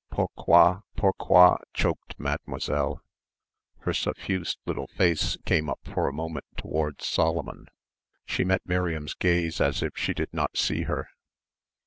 "Pourquoi, pourquoi!" choked Mademoiselle. Her suffused little face came up for a moment towards Solomon. She met Miriam's gaze as if she did not see her.